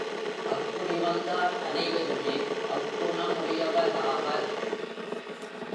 அக்குடி வந்தார் அனைவருமே அக்குணமுடையாராவர்.